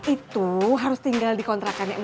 itu harus tinggal di kontrakannya mak ipa